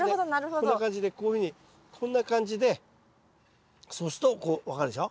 こんな感じでこういうふうにこんな感じでそうするとこう分かるでしょ？